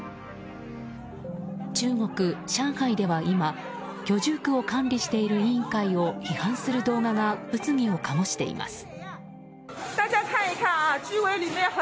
中国・上海では今居住区を管理している委員会を批判する動画が物議を醸しています。